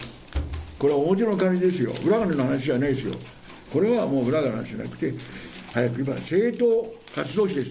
これは表のお金ですよ、裏金の話じゃないですよ、これはもう裏金の話じゃなくて、早く言えば政党活動費です。